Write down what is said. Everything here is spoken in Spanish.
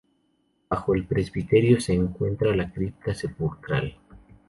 Bajo el presbiterio se encuentra una cripta sepulcral.